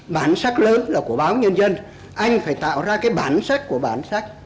bản sắc lớn là của báo nhân dân anh phải tạo ra cái bản sắc của bản sắc